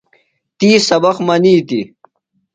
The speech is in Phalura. تی سبق منِیتیۡ۔